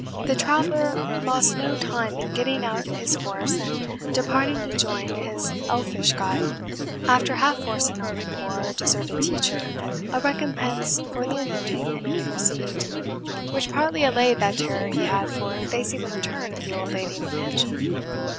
The traveller lost no time in getting out his horse and departing to join his elvish guide, after half forcing on the poor, deserted teacher a recompense for the entertainment he had received, which partly allayed that terror he had for facing the return of the old lady of the mansion.